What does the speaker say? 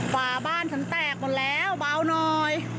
ฝาบ้านฉันแตกหมดแล้วเบาหน่อย